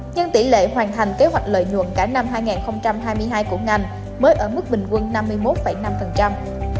nhưng tỷ lệ hoàn thành kế hoạch lợi nhuận cả năm hai nghìn hai mươi hai của ngành mới ở mức bình quân năm mươi một năm